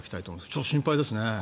ちょっと心配ですね。